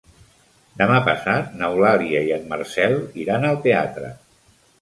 Demà passat n'Eulàlia i en Marcel iran al teatre.